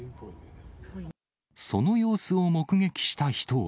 その様子を目撃した人は。